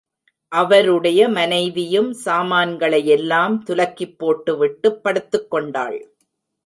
அவருடைய மனைவியும் சாமான்களையெல்லாம் துலக்கிப் போட்டுவிட்டுப் படுத்துக்கொண்டாள்.